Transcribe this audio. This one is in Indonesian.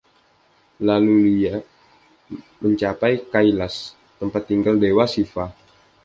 Laluia mencapai Kailash, tempat tinggal dewa Shiva.